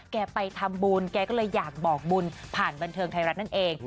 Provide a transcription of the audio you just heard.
แกไปทำบุญแกก็เลยอยากบอกบุญผ่านบันเทิงไทยรัฐนั่นเอง